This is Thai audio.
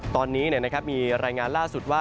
ตอนนี้มีรายงานล่าสุดว่า